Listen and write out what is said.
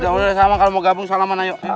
jangan udah sama kalo mau gabung salaman ayo